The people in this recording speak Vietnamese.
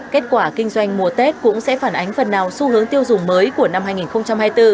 kết quả kinh doanh mùa tết cũng sẽ phản ánh phần nào xu hướng tiêu dùng mới của năm hai nghìn hai mươi bốn